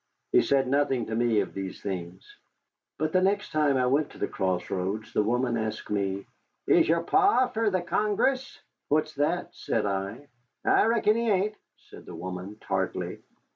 He said nothing to me of these things. But the next time I went to the Cross Roads, the woman asked me: "Is your Pa for the Congress?" "What's that?" said I. "I reckon he ain't," said the woman, tartly.